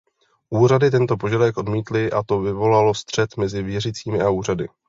Úřady tento požadavek odmítl a to vyvolalo střet mezi věřícími a úřady.